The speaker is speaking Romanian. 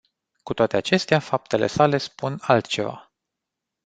Cu toate acestea, faptele sale spun altceva.